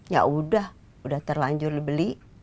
yaudah udah terlanjur dibeli